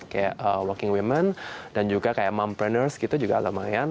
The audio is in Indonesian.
kayak working women dan juga kayak mombreneurs gitu juga lumayan